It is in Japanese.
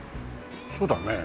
そうだね。